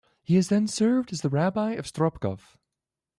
He then served as the rabbi of Stropkov.